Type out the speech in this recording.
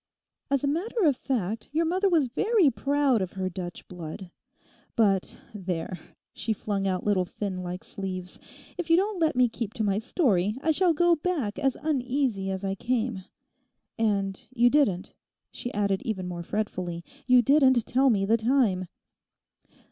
'As a matter of fact, your mother was very proud of her Dutch blood. But there,' she flung out little fin like sleeves, 'if you don't let me keep to my story I shall go back as uneasy as I came. And you didn't,' she added even more fretfully, 'you didn't tell me the time.